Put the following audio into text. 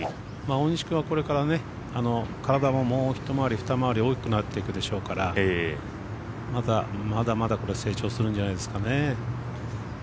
大西君はこれから体ももう一回り、二回り大きくなっていくでしょうからまだまだこれは成長するんじゃないですかね。